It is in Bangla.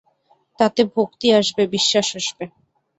তাতে ভক্তি আসবে, বিশ্বাস আসবে।